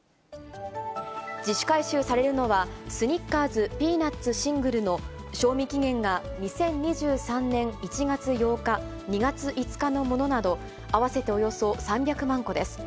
自主回収されるのは、スニッカーズピーナッツシングルの賞味期限が２０２３年１月８日、２月５日のものなど、合わせておよそ３００万個です。